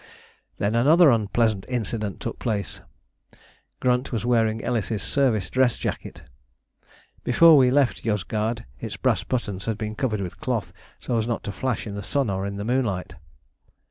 Then another unpleasant incident took place. Grunt was wearing Ellis's service dress jacket. Before we left Yozgad its brass buttons had been covered with cloth, so as not to flash in the sun or in the moonlight.